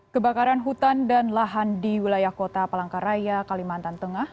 kebakaran hutan dan lahan di wilayah kota palangkaraya kalimantan tengah